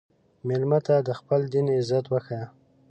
مېلمه ته د خپل دین عزت وښیه.